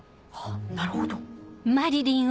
あなるほど。